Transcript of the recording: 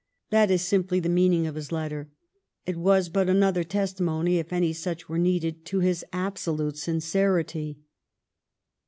That is simply the meaning of his letter. It was but another testimony, if any such were needed, to his absolute sincerity.